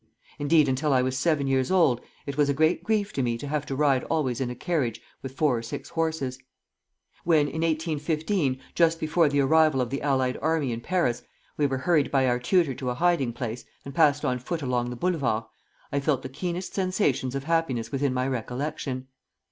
Indeed, until I was seven years old it was a great grief to me to have to ride always in a carriage with four or six horses. When, in 1815, just before the arrival of the allied army in Paris, we were hurried by our tutor to a hiding place, and passed on foot along the Boulevards, I felt the keenest sensations of happiness within my recollection.